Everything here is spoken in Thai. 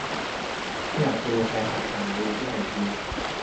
อยากดู แฮะ หาดูที่ไหนดี